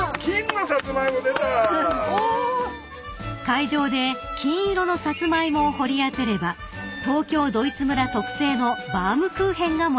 ［会場で金色のサツマイモを掘り当てれば東京ドイツ村特製のバウムクーヘンがもらえますよ］